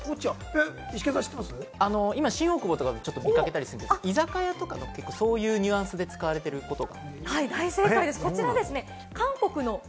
今、新大久保とかで見掛けたりする居酒屋とかそういうニュアンスで使われていることが。